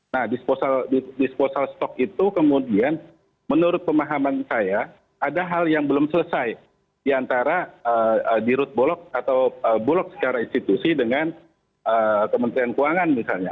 nah disposal stok itu kemudian menurut pemahaman saya ada hal yang belum selesai diantara dirut bulog atau bulog secara institusi dengan kementerian keuangan misalnya